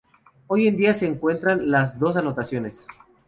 Hoy en día, se encuentran las dos anotaciones.